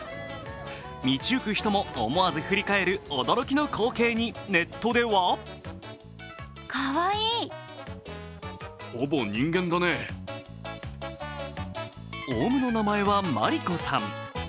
道行く人も思わず振り返る驚きの光景にネットではオウムの名前はまりこさん。